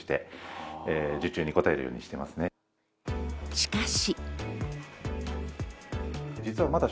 しかし。